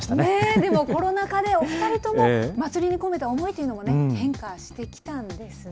でもコロナ禍で、お２人とも祭りに込めた思いというのもね、変化してきたんですね。